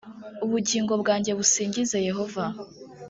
ubugingo bwanjye busingize yehova